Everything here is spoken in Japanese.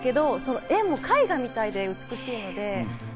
絵も絵画みたいで美しいので。